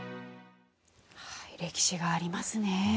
歴史がありますね。